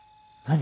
何？